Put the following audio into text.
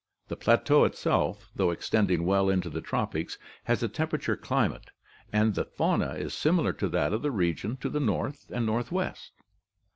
The plateau itself, though ex tending well into the tropics, has a temperate climate, and the fauna is similar to that of the region to the north and northwest.